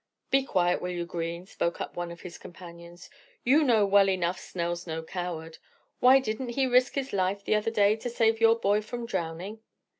"Be quiet, will you, Green;" spoke up one of his companions, "you know well enough Snell's no coward. Why didn't he risk his life the other day, to save your boy from drowning?"